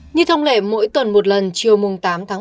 như thông lệ mỗi tuần một lần chiều tám tháng một mươi một